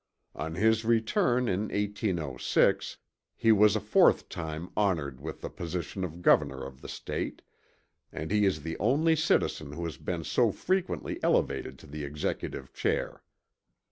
On his return in 1806, he was a fourth time honored with the position of Governor of the State, and he is the only citizen who has been so frequently elevated to the executive chair.